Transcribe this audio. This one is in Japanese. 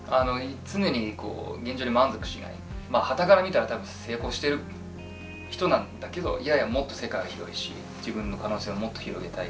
はたから見たら多分成功してる人なんだけどいやいやもっと世界は広いし自分の可能性をもっと広げたい。